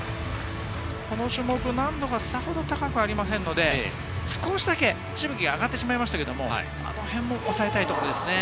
この種目、難度がさほど高くありませんので、少しだけ、しぶきが上がってしまいましたけれども、あのへんも押さえたいところです。